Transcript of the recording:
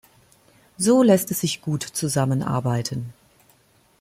So lässt es sich gut zusammenarbeiten.